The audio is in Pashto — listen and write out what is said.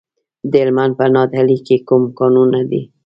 د هلمند په نادعلي کې کوم کانونه دي؟